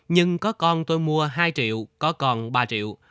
nhưng có con tôi mua hai triệu có con ba triệu